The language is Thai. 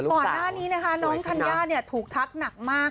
ก่อนหน้านี้นะคะน้องธัญญาถูกทักหนักมาก